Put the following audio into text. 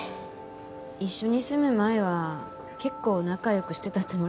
一緒に住む前は結構仲良くしてたつもりだったんだけどね。